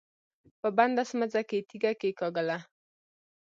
په بنده سمڅه کې يې تيږه کېکاږله.